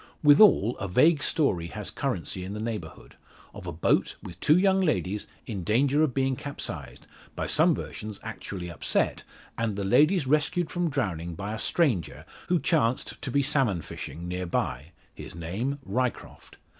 Withal, a vague story has currency in the neighbourhood, of a boat, with two young ladies, in danger of being capsized by some versions actually upset and the ladies rescued from drowning by a stranger who chanced to be salmon fishing near by his name, Ryecroft.